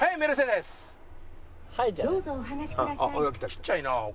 ちっちゃいな声。